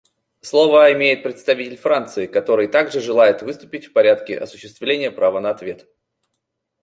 Слово имеет представитель Франции, который также желает выступить в порядке осуществления права на ответ.